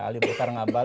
ali bukar ngabal